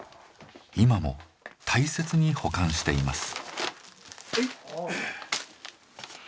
今も大切に保管しています。